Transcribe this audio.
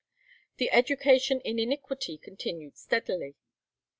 The education in iniquity continued steadily.